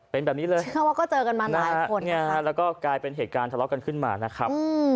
เป็นแบบนี้เลยแล้วก็กลายเป็นเหตุการณ์ทะเลาะกันขึ้นมานะครับ